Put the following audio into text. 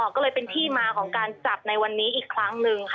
ก็เลยเป็นที่มาของการจับในวันนี้อีกครั้งหนึ่งค่ะ